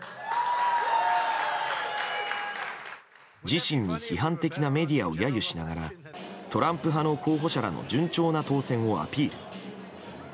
自身に批判的なメディアを揶揄しながらトランプ派の候補者らの順調な当選をアピール。